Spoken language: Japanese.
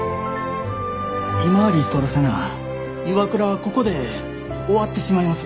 今リストラせなＩＷＡＫＵＲＡはここで終わってしまいます。